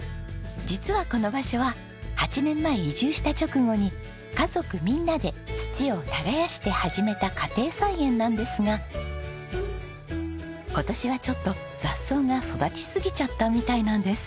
実はこの場所は８年前移住した直後に家族みんなで土を耕して始めた家庭菜園なんですが今年はちょっと雑草が育ちすぎちゃったみたいなんです。